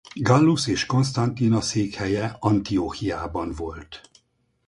Gallus és Constantina székhelye Antiochiában volt.